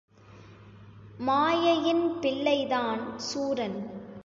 மாயையின் பிள்ளைதான் சூரன்.